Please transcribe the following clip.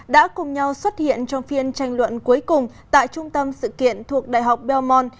đã cùng nhau xuất hiện trong phiên tranh luận cuối cùng tại trung tâm sự kiện thuộc đại học belmont